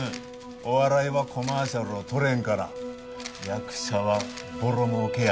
「お笑いはコマーシャルを取れんから役者はぼろ儲けや」